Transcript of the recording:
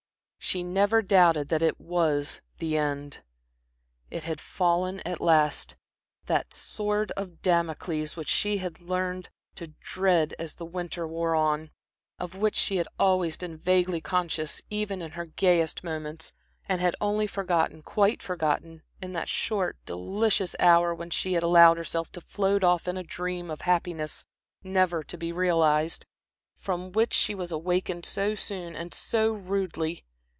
She never doubted that it was the end. It had fallen at last that sword of Damocles, which she had learned to dread as the winter wore on, of which she had always been vaguely conscious even in her gayest moments, and had only forgotten, quite forgotten, in that short, delicious hour when she had allowed herself to float off in a dream of happiness never to be realized, from which she was awakened so soon and so rudely.